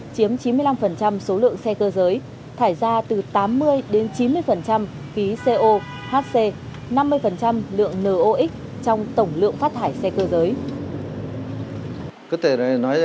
chiếm chín mươi năm số lượng xe cơ giới thải ra từ tám mươi chín mươi khí cohc năm mươi lượng nox trong tổng lượng phát thải xe cơ giới